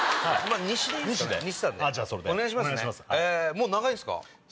もう長いんすか？